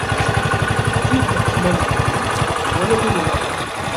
Ttif lḥecma n ddunit, wala tin n laxert.